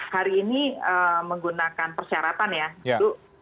hari ini menggunakan persyaratan ya itu